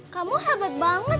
kamu hebat banget